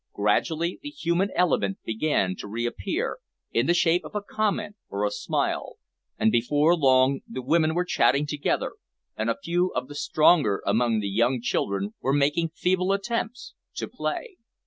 Gradually the human element began to reappear, in the shape of a comment or a smile, and before long the women were chatting together, and a few of the stronger among the young children were making feeble attempts to play.